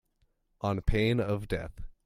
On pain of death.